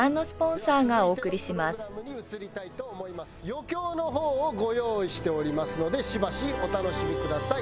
余興の方をご用意しておりますのでしばしお楽しみください。